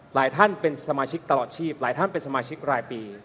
หลายท่านเป็นสมาชิกตลอดชีพหลายท่านเป็นสมาชิกรายปี